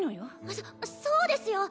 そそうですよ！